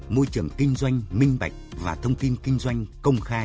môi trường kinh doanh minh bạch và thông tin kinh doanh công khai